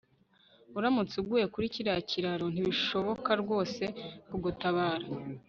Uramutse uguye kuri kiriya kiraro ntibishoboka rwose kugutabara